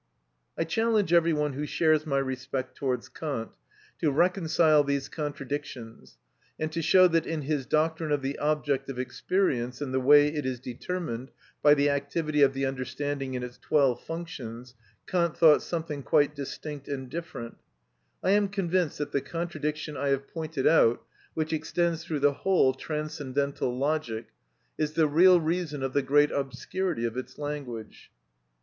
I challenge every one who shares my respect towards Kant to reconcile these contradictions and to show that in his doctrine of the object of experience and the way it is determined by the activity of the understanding and its twelve functions, Kant thought something quite distinct and definite. I am convinced that the contradiction I have pointed out, which extends through the whole Transcendental Logic, is the real reason of the great obscurity of its language.